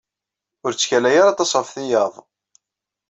Ur ttkalay ara aṭas ɣef tiyaḍ.